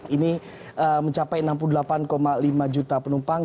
ini mencapai enam puluh delapan lima juta penumpang